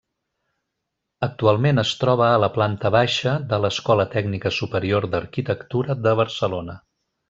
Actualment es troba a la planta baixa de l'Escola Tècnica Superior d'Arquitectura de Barcelona.